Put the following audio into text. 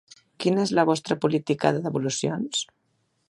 Quina és la vostra política de devolucions?